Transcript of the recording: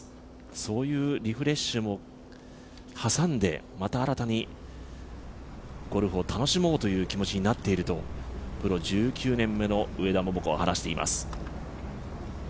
そういうリフレッシュも挟んで、また新たにゴルフを楽しもうという気持ちになっているとプロ１９年目の上田桃子は話しています。